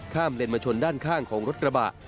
เลนมาชนด้านข้างของรถกระบะ